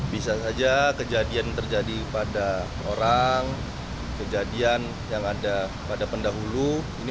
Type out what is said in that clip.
bisa saja kejadian terjadi pada orang kejadian yang ada pada pendahulu